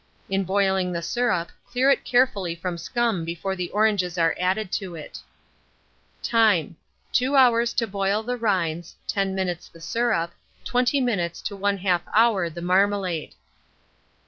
In boiling the syrup, clear it carefully from scum before the oranges are added to it. Time. 2 hours to boil the rinds, 10 minutes the syrup, 20 minutes to 1/2 hour the marmalade.